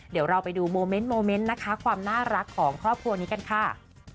เดี๋ยวเราไปดูโมเมนต์โมเมนต์นะคะความน่ารักของครอบครัวนี้กันค่ะ